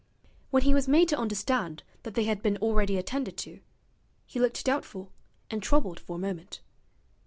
When he was made to understand that they had been already attended to, he looked doubtful and troubled for a moment.